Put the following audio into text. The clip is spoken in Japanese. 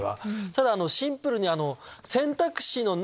ただシンプルに。